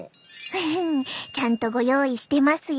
フフフちゃんとご用意してますよ。